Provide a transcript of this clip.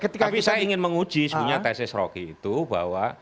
tapi saya ingin menguji sebenarnya tesis rocky itu bahwa